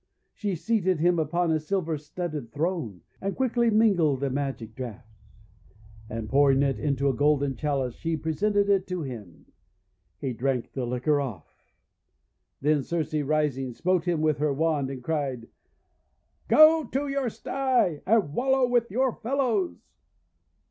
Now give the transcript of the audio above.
She seated him upon a silver studded throne, and quickly mingled a magic draught. And pouring it into a golden chalice she presented it to him. He drank the liquor off. Then Circe, rising, smote him with her wand, and cried : !<Go to your sty, and wallow with your fellows!"